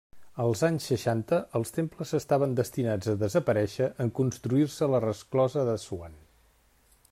Als anys seixanta, els temples estaven destinats a desaparèixer en construir-se la resclosa d'Assuan.